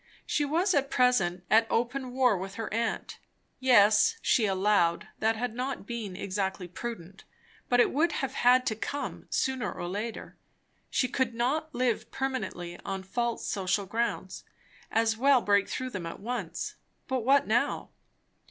She was at present at open war with her aunt. Yes, she allowed, that had not been exactly prudent; but it would have had to come, sooner or later. She could not live permanently on false social grounds; as well break through them at once. But what now?